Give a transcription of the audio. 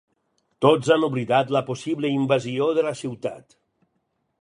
Tots han oblidat la possible invasió de la ciutat.